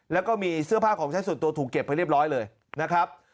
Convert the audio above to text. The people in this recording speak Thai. แล้วก็มีเสื้อผ้าของใช้ส่วนตัวถูกเก็บไปเรียบร้อยเลยนะครับ